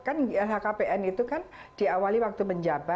kan lhkpn itu kan diawali waktu menjabat